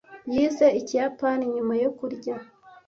Yize Ikiyapani nyuma yo kurya.